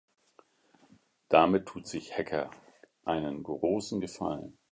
Damit tut sich Hecker einen großen Gefallen.